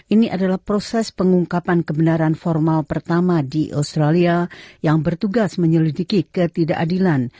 ini adalah proses pengungkapan kebenaran formal pertama di australia yang bertugas menyelidiki ketidakadilan